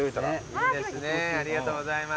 いいですねありがとうございます。